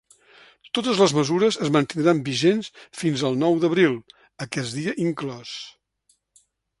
Totes les mesures es mantindran vigents fins al nou d’abril, aquest dia inclòs.